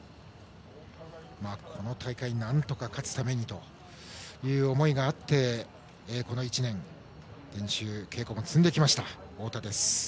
この大会でなんとか勝つためにという思いがあってこの１年、練習、稽古も積んできました太田です。